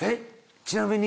ちなみに。